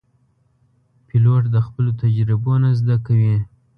پیلوټ د خپلو تجربو نه زده کوي.